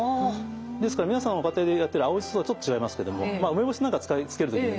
ですから皆さんご家庭でやってる青ジソとはちょっと違いますけども梅干しなんか漬ける時に使います